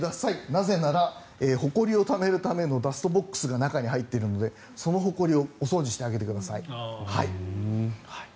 なぜなら、ほこりをためるためのダストボックスが中に入っているのでそのほこりをお掃除してあげてください。